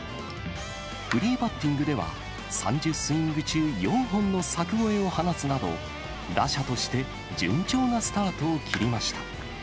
フリーバッティングでは、３０スイング中４本の柵越えを放つなど、打者として順調なスタートを切りました。